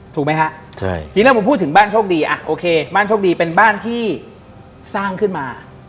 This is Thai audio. ถูกไหมฮะทีแรกผมพูดถึงบ้านโชคดีอ่ะโอเคบ้านโชคดีเป็นบ้านที่สร้างขึ้นมา